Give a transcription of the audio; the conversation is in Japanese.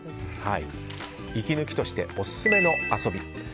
息抜きとしてオススメの遊び。